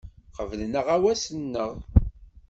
Qeblen aɣawas-nneɣ.